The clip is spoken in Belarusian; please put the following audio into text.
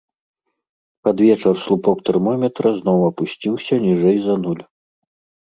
Пад вечар слупок тэрмометра зноў апусціўся ніжэй за нуль.